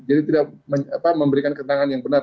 jadi tidak memberikan ketangan yang benar